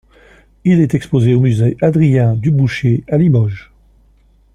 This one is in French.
Il est exposé au musée Adrien Dubouché à Limoges.